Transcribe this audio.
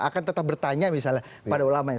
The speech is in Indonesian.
akan tetap bertanya misalnya pada ulama nya